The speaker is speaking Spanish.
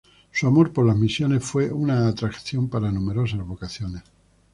Su amor por las misiones fue una atracción para numerosas vocaciones.